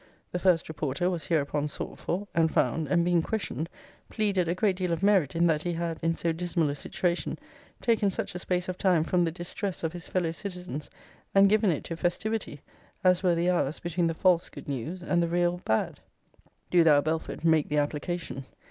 The first reporter was hereupon sought for, and found; and being questioned, pleaded a great deal of merit, in that he had, in so dismal a situation, taken such a space of time from the distress of his fellow citizens, and given it to festivity, as were the hours between the false good news and the real bad.' Do thou, Belford, make the application.